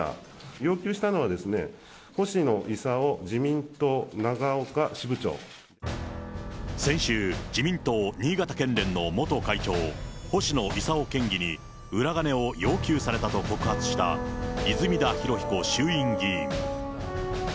要求したのは、先週、自民党新潟県連の元会長、星野伊佐夫県議に裏金を要求されたと告発した泉田裕彦衆議院議員。